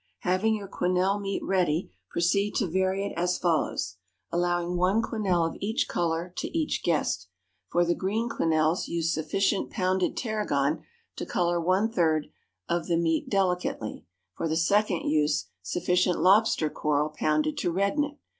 Having your quenelle meat ready, proceed to vary it as follows, allowing one quenelle of each color to each guest: For the green quenelles use sufficient pounded tarragon to color one third the meat delicately. For the second use sufficient lobster coral pounded to redden it.